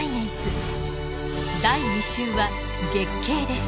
第２集は月経です。